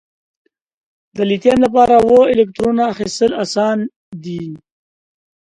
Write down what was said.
د لیتیم لپاره اووه الکترونو اخیستل آسان دي؟